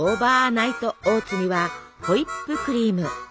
ナイトオーツにはホイップクリーム。